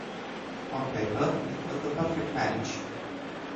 On paper it was the perfect marriage.